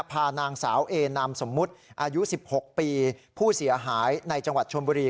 พานางสาวเอนามสมมุติอายุ๑๖ปีผู้เสียหายในจังหวัดชนบุรี